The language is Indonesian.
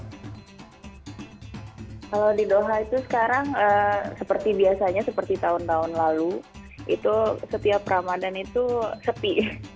kalau di doha itu sekarang seperti biasanya seperti tahun tahun lalu itu setiap ramadan itu sepi